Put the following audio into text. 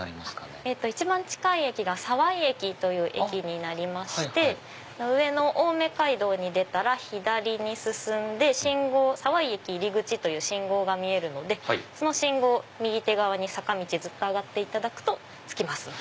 一番近い駅が沢井駅になりまして上の青梅街道に出たら左に進んで沢井駅入口という信号が見えるのでその信号を右手側に坂道上がっていただくと着きます。